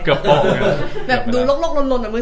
เหมือนโลกนืมแบบมือสั่นนิดนึง